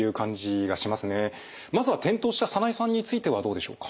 まずは転倒したサナエさんについてはどうでしょうか？